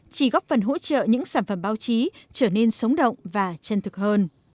chỉ góp phần hỗ trợ những sản phẩm báo chí trở nên sống động và chân thực hơn